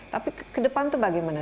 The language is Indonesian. tapi ke depan itu bagaimana